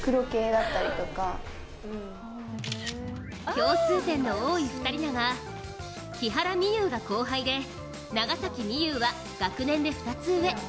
共通点の多い２人だが木原美悠が後輩で長崎美柚は学年で２つ上。